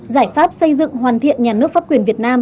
giải pháp xây dựng hoàn thiện nhà nước pháp quyền việt nam